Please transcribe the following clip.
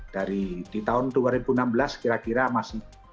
dari di tahun dua ribu enam belas kira kira masih